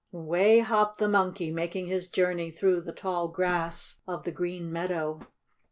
Away hopped the Monkey, making his journey through the tall grass of the green meadow.